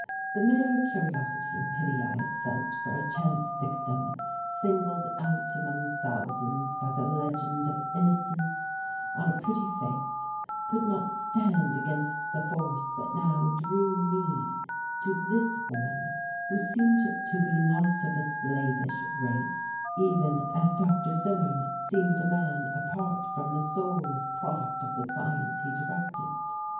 The mere curiosity and pity I had felt for a chance victim singled out among thousands by the legend of innocence on a pretty face could not stand against the force that now drew me to this woman who seemed to be not of a slavish race even as Dr. Zimmern seemed a man apart from the soulless product of the science he directed.